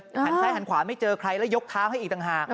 หันซ้ายหันขวาไม่เจอใครแล้วยกเท้าให้อีกต่างหาก